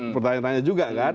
pertanyaan tanya juga kan